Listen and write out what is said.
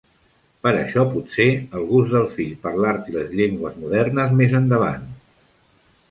Per això potser el gust del fill per l'art i les llengües modernes més endavant.